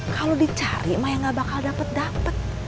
kalau dicari maya gak bakal dapet dapet